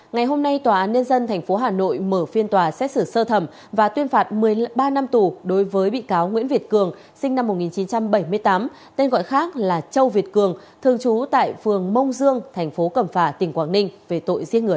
ngày hôm nay tòa án nhân dân tp hà nội mở phiên tòa xét xử sơ thẩm và tuyên phạt ba năm tù đối với bị cáo nguyễn việt cường sinh năm một nghìn chín trăm bảy mươi tám tên gọi khác là châu việt cường thường trú tại phường mông dương thành phố cẩm phả tỉnh quảng ninh về tội giết người